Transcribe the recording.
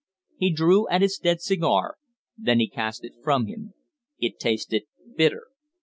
He drew at his dead cigar. Then he cast it from him. It tasted bitter.